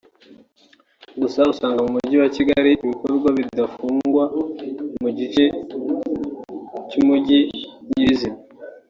Gusa usanga mu mujyi wa Kigali ibikorwa bidafungwa mu gice cy’umujyi nyirizina